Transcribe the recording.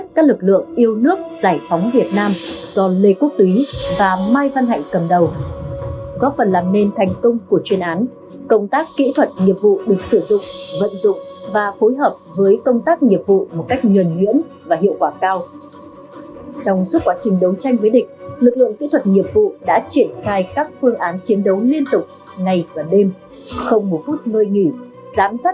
hãy đăng ký kênh để ủng hộ kênh của chúng mình nhé